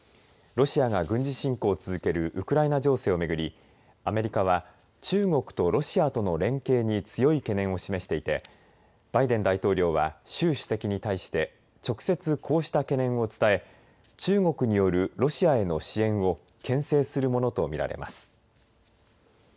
ロシアが軍事侵攻を続けるウクライナ情勢をめぐりアメリカは中国とロシアとの連携に強い懸念を示していてバイデン大統領は習主席に対して直接、こうした懸念を伝え中国によるロシアへの支援を、けん制するものとみられます。